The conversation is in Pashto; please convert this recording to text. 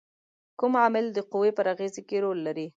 کوم عامل د قوې پر اغیزې کې رول لري؟